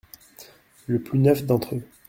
Le plus neuf d’entre eux.